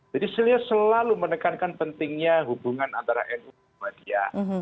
jadi beliau selalu menekankan pentingnya hubungan antara nu muhammadiyah